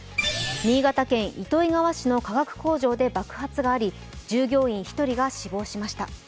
新潟県糸魚川市の化学工場で爆発があり従業員１人が死亡しました。